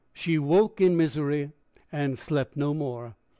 She woke in misery, and slept no more.